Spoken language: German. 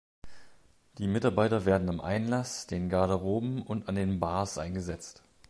Die Mitarbeiter werden am Einlass, den Garderoben und an den Bars eingesetzt.